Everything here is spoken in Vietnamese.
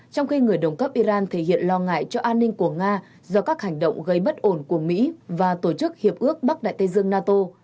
trong khi người đồng cấp iran thể hiện lo ngại cho an ninh của nga do các hành động gây bất ổn của mỹ và tổ chức hiệp ước bắc đại tây dương nato